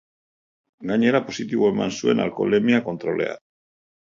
Gainera, positibo eman zuen alkoholemia kontrolean.